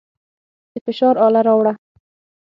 د فشار اله راوړه.